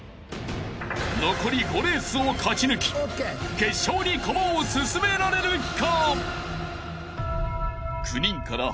［残り５レースを勝ち抜き決勝に駒を進められるか！？］